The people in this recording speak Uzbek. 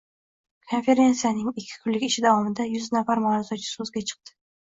Konferensiyaning ikki kunlik ishi davomida yuz nafar maʼruzachi soʻzga chiqdi.